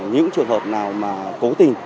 những trường hợp nào mà cố tình